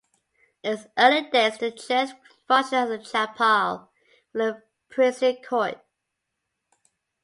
In its early days, the church functioned as a chapel for the Princely Court.